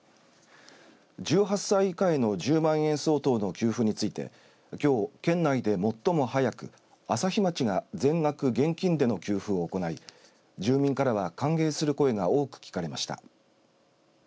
１８歳以下への１０万円相当の給付についてきょう、県内で最も早く朝日町が全額現金での給付を行い住民からは歓迎する声が多く聞かれました。